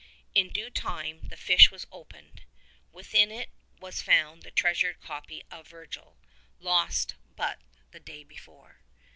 In due time the fish was opened; within it was found the treasured copy of Virgil, lost but the day before!